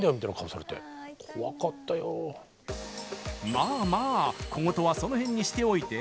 まあまあ小言は、その辺にしておいて。